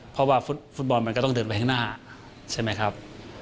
เพราะว่าฟุตบอลมันก็ต้องเดินไปข้างหน้าใช่ไหมครับ